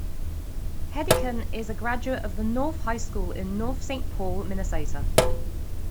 Hedican is a graduate of North High School in North Saint Paul, Minnesota.